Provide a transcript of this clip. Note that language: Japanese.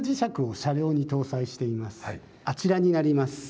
あちらになります。